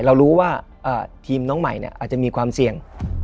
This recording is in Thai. เรารู้ว่าทีมน้องใหม่อาจจะมีความเสี่ยง